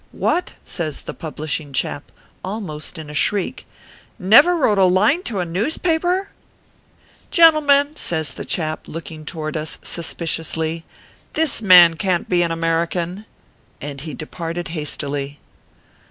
" What !" says the publishing chap, almost in a shriek " never wrote a line to a newspaper ? Gen ORPHEUS C. KERR PAPERS. 381 tleman," says the chap, looking toward us, suspic iously, " this man can t be an American." And he departed hastily.